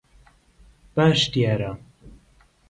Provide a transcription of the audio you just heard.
باش دیارە.